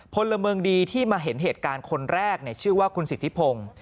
พลเมืองดีที่มาเห็นเหตุการณ์คนแรกชื่อว่าคุณสิทธิพงศ์